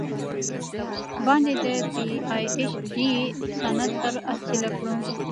باندې د پې اي چ ډي سند تر السه کړو ۔